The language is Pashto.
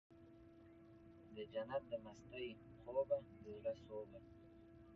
دجنت د مستۍ خوبه د زړه سوبه